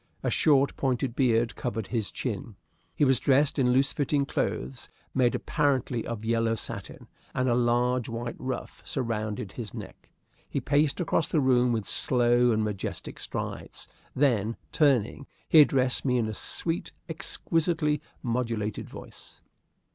A short pointed beard covered his chin. He was dressed in loose fitting clothes, made apparently of yellow satin, and a large white ruff surrounded his neck. He paced across the room with slow and majestic strides. Then turning, he addressed me in a sweet, exquisitely modulated voice.